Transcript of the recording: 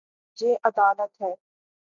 یے ادالت ہے